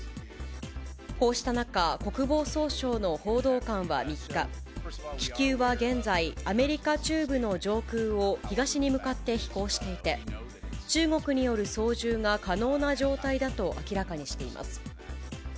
こうした中、国防総省の報道官は３日、気球は現在、アメリカ中部の上空を東に向かって飛行していて、中国による操縦が可能な状態だと明らかにしています。